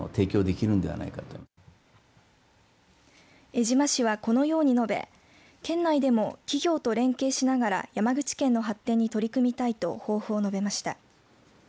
江島氏は、このように述べ県内でも企業と連携しながら山口県の発展に取り組みたいと抱負を述べました。